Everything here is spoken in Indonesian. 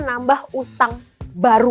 nambah utang baru